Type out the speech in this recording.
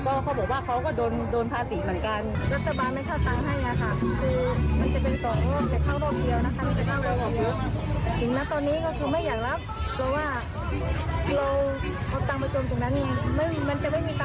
เขาบอกว่าเขาก็โดนภาษีเหมือนกัน